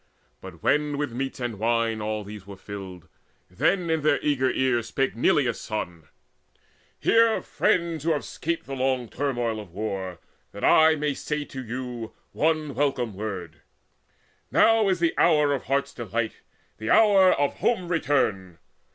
But when with meats and wine all these were filled, Then in their eager ears spake Neleus' son: "Hear, friends, who have 'scaped the long turmoil of war, That I may say to you one welcome word: Now is the hour of heart's delight, the hour Of home return.